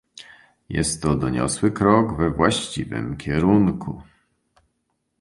Jest to doniosły krok we właściwym kierunku